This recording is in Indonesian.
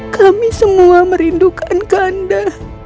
kami semua merindukan kanda